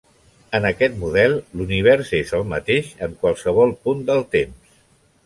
En aquest model, l'univers és el mateix en qualsevol punt del temps.